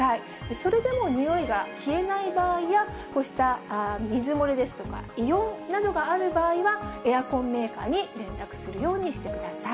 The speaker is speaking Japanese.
それでも臭いが消えない場合や、こうした水漏れですとか、異音などがある場合は、エアコンメーカーに連絡するようにしてください。